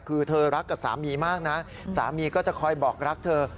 คือเธอรักกับสามีมากนะสามีก็จะคอยบอกรักเธอ